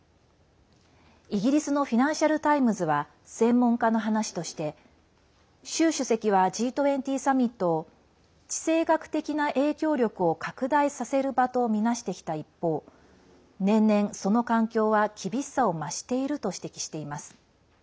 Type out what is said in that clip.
イギリスのフィナンシャル・タイムズは専門家の話として習主席はＧ２０サミットを地政学的な影響力を拡大させる場とみなしてきた一方年々、その環境は厳しさを増していると指摘しています。